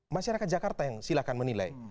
masyarakat jakarta yang silahkan menilai